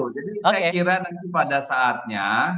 jadi saya kira nanti pada saatnya